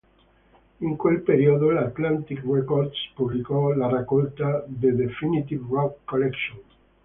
In quel periodo, la Atlantic Records pubblicò la raccolta "The Definitive Rock Collection".